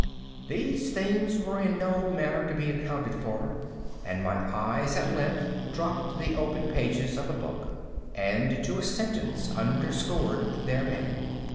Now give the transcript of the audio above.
These things were in no manner to be accounted for, and my eyes at length dropped to the open pages of a book, and to a sentence underscored therein.